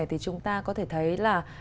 thì chúng ta có thể thấy là